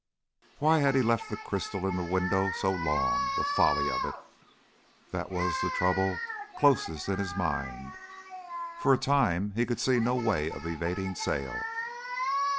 "Why had he left the crystal in the window so long? The folly of it!" That was the trouble closest in his mind. For a time he could see no way of evading sale.